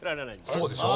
そうでしょう？